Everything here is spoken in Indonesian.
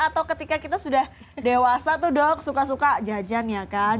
atau ketika kita sudah dewasa tuh dok suka suka jajan ya kan